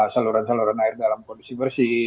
saluran saluran air dalam kondisi bersih